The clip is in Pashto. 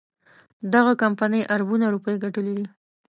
دغه کمپنۍ اربونه روپۍ ګټلي دي.